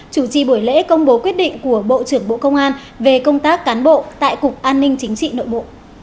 chủ trì buổi lễ công bố quyết định của bộ trưởng bộ công an về công tác cán bộ tại cục an ninh chính trị nội bộ